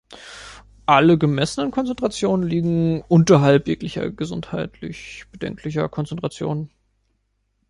Alle gemessenen Konzentrationen liegen unterhalb jeglicher gesundheitlich bedenklicher Konzentrationen.